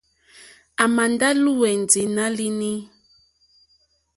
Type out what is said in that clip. À mà ndá lùwɛ̀ndì nǎ línì.